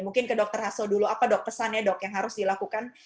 mungkin ke dr hasto dulu apa pesan ya dok yang harus dilakukan